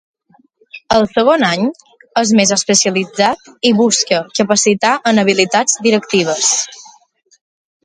El segon any, és més especialitzat i busca capacitar en habilitats directives.